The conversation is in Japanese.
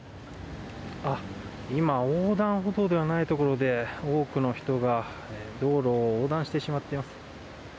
今、横断歩道ではないところで多くの人が道路を横断してしまっています。